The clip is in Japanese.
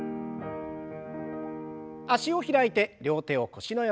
脚を開いて両手を腰の横。